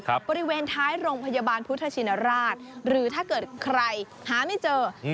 บริเวณท้ายโรงพยาบาลพุทธชินราชหรือถ้าเกิดใครหาไม่เจออืม